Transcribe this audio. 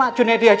ayo kita bertarung